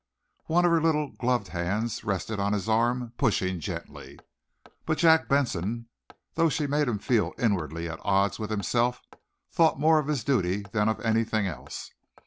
One of her little, gloved hands rested on his arm, pushing gently. But Jack Benson, though she made him feel inwardly at odds with himself, thought more of his duty than of anything else.